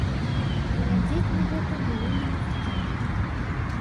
Глядзець на гэта было немагчыма.